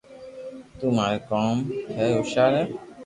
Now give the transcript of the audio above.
تو ٿاري ڪوم ۾ ھوݾيار ھي